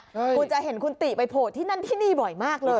คุณจะเห็นคุณติไปโผล่ที่นั่นที่นี่บ่อยมากเลย